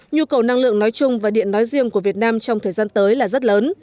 nhu cầu năng lượng nói chung và điện nói riêng của việt nam trong thời gian tới là rất lớn